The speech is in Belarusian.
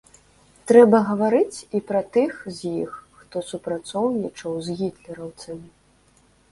Трэба гаварыць і пра тых з іх, хто супрацоўнічаў з гітлераўцамі.